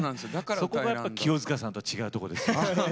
そこが清さんとは違うとこですね。